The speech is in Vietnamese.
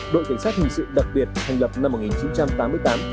đội cảnh sát hình sự đặc biệt thành lập năm một nghìn chín trăm tám mươi tám